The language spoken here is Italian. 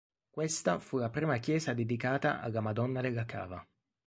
Questa fu la prima chiesa dedicata alla Madonna della Cava.